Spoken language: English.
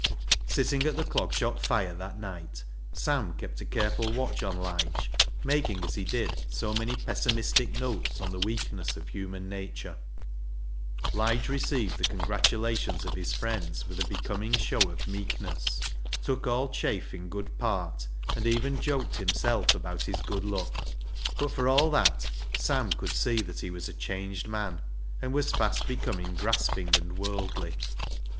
Sitting at the Clog Shop fire that night, Sam kept a careful watch on Lige, making as he did so many pessimistic notes on the weakness of human nature. Lige received the congratulations of his friends with a becoming show of meekness, took all chaff in good part, and even joked himself about his good luck ; but, for all that. LIGE'S LEGACY 169 Sam could sec that he was a chan^^ccl man, and was fast becoming grasping and worldly.